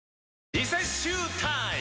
リセッシュータイム！